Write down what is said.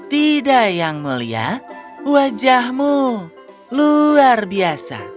tidak yang mulia wajahmu luar biasa